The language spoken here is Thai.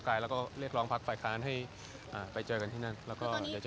แล้วก็เรียกร้องพักฝ่ายค้านให้อ่าไปเจอกันที่นั่นแล้วก็เดี๋ยวจะ